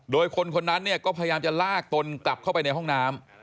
โดยคนคนนั้นเนี่ยก็พยายามจะลากตนกลับเข้าไปในห้องน้ำ